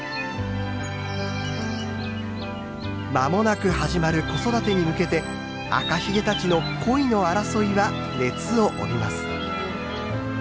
間もなく始まる子育てに向けてアカヒゲたちの恋の争いは熱を帯びます。